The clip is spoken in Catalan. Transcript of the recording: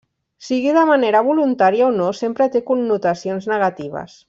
Sigui de manera voluntària o no, sempre té connotacions negatives.